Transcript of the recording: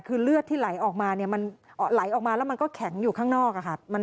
คือเลือดที่ไหลออกมาเนี่ยมันไหลออกมาแล้วมันก็แข็งอยู่ข้างนอก